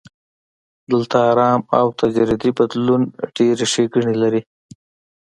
دغه ارام او تدریجي بدلون ډېرې ښېګڼې لري.